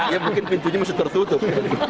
ya mungkin pintunya masih tertutup